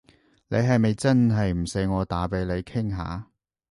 你係咪真係唔使我打畀你傾下？